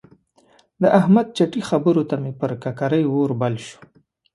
د احمد چټي خبرو ته مې پر ککرۍ اور بل شو.